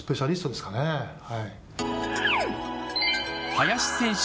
林選手